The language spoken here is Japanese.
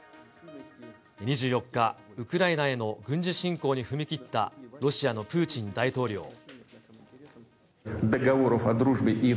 ２４日、ウクライナへの軍事侵攻に踏み切ったロシアのプーチン大統領。